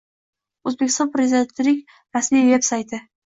O‘zbekiston Respublikasi Prezidentining rasmiy veb-sayti – president